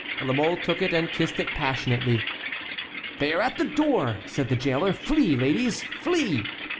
La Mole took it, and kissed it passionately. "They are at the door," said the jailer; "flee, ladies, flee!"